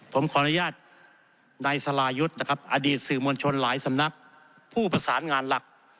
ผมขออนุญาตนายสรายุทธ์นะครับอดีตสื่อมวลชนหลายสำนักผู้ประสานงานหลัก